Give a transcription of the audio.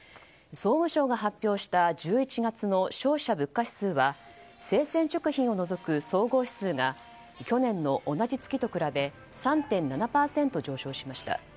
総務省が発表した１１月の消費者物価指数は生鮮食品を除く総合指数が去年の同じ月と比べ３．７％上昇しました。